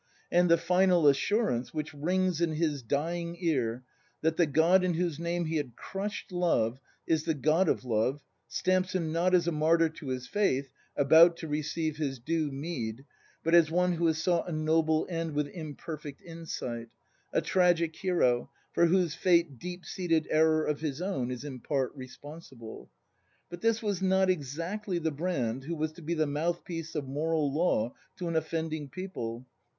And the final assurance, which rings in his dying ear, that the God in whose name he had crushed Love is the God of Love, stamps him, not as a martyr to his faith, about to receive his due meed, but as one who has sought a noble end with imperfect insight; a tragic hero, for whose fate deep seated error of his own is in part responsible. But this was not exactly the Brand who was to be the mouth piece of moral law to an offending people.